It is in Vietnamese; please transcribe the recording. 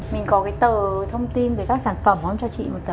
mình có cái tờ thông tin về các sản phẩm không cho chị một tờ